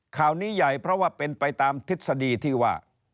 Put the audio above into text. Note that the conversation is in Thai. ข่าวนี้ใหญ่เพราะว่าเป็นไปตามทฤษฎีที่ว่า